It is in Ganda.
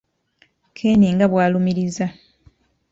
Ken nga bw'alumiriza.